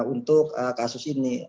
untuk kasus ini